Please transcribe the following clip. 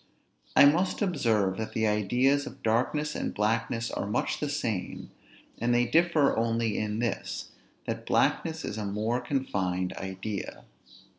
I must observe, that the ideas of darkness and blackness are much the same; and they differ only in this, that blackness is a more confined idea.